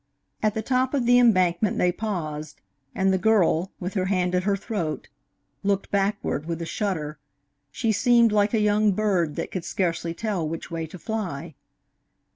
At the top of the embankment they paused, and the girl, with her hand at her throat, looked backward with a shudder. She seemed like a young bird that could scarcely tell which way to fly.